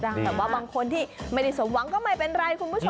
แต่ว่าบางคนที่ไม่ได้สมหวังก็ไม่เป็นไรคุณผู้ชม